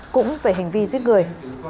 cũng về hành vi giết người